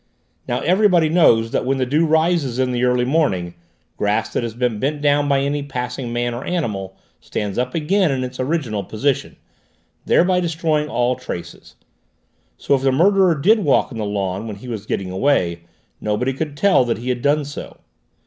Now everybody knows that when the dew rises in the early morning, grass that has been bent down by any passing man or animal, stands up again in its original position, thereby destroying all traces; so if the murderer did walk on the lawn when he was getting away, nobody could tell that he had done so.